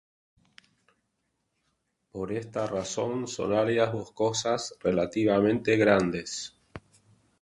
Por esta razón son áreas boscosas relativamente grandes.